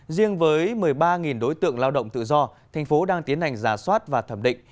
riêng với một mươi ba đối tượng lao động tự do thành phố đang tiến hành giả soát và thẩm định